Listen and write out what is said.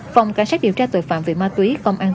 phòng cảnh sát điều tra tội phạm về ma túy công an